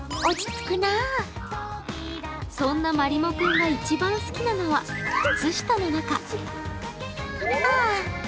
そんなまりも君が一番好きなのは靴下の中。